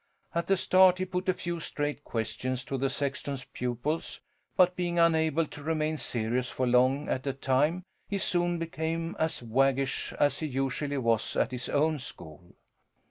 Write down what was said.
At the start he put a few straight questions to the sexton's pupils, but being unable to remain serious for long at a time he soon became as waggish as he usually was at his own school.